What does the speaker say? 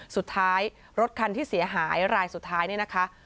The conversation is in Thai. สุดท้ายรถคันที่เสียหายรายสุดท้ายเนี่ยนะคะ